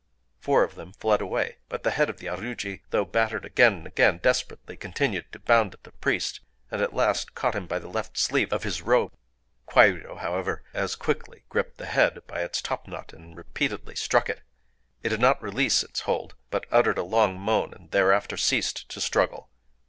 Four of them fled away. But the head of the aruji, though battered again and again, desperately continued to bound at the priest, and at last caught him by the left sleeve of his robe. Kwairyō, however, as quickly gripped the head by its topknot, and repeatedly struck it. It did not release its hold; but it uttered a long moan, and thereafter ceased to struggle.